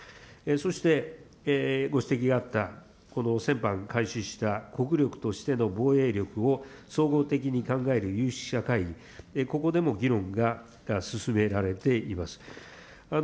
そして、ご指摘があった、この先般開始した、国力としての防衛力を総合的に考える有識者会議、ここでも議論が進められています。